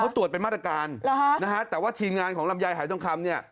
เขาตรวจไปมาตรการแต่ว่าทีมงานของลำไยหายท่องคำ